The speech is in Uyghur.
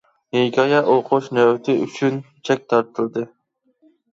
ھېكايە ئوقۇش نۆۋىتى ئۈچۈن چەك تارتىلدى.